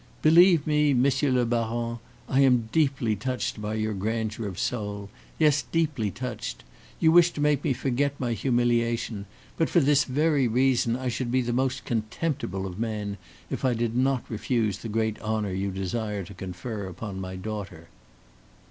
"Believe me, Monsieur le Baron, I am deeply touched by your grandeur of soul yes, deeply touched. You wish to make me forget my humiliation; but, for this very reason, I should be the most contemptible of men if I did not refuse the great honor you desire to confer upon my daughter."